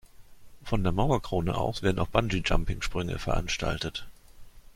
Von der Mauerkrone aus werden auch Bungee-Jumping-Sprünge veranstaltet.